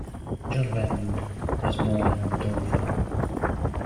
John Redwood was born in Dover.